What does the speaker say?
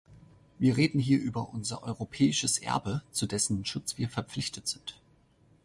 Wir reden hier über unser europäisches Erbe, zu dessen Schutz wir verpflichtet sind.